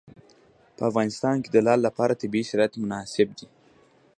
په افغانستان کې د لعل لپاره طبیعي شرایط مناسب دي.